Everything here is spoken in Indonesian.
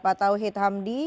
pak tauhid hamdi